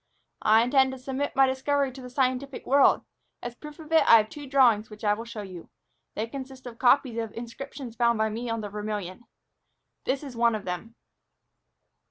"I intend to submit my discovery to the scientific world. As proof of it I have two drawings which I shall show you. They consist of copies of inscriptions found by me on the Vermillion. This is one of them."